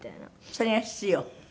それが必要？